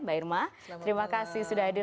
mbak irma terima kasih sudah hadir